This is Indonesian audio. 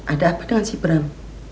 ada apa dengan si bram